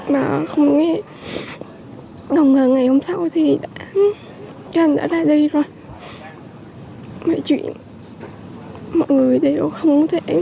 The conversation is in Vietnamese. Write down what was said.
mà không nghe đồng hồ ngày hôm sau thì anh đã ra đi rồi mọi chuyện mọi người đều không thể ngờ được trước